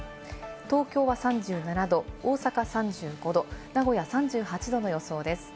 東京は３７度、大阪３５度、名古屋３８度の予想です。